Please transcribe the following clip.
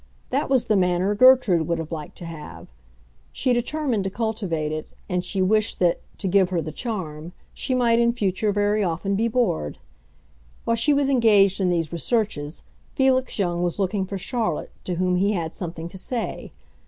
That was the manner Gertrude would have liked to have; she determined to cultivate it, and she wished that—to give her the charm—she might in future very often be bored. While she was engaged in these researches, Felix Young was looking for Charlotte, to whom he had something to say.